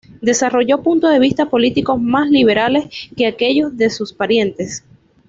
Desarrolló puntos de vistas políticos más liberales que aquellos de sus parientes.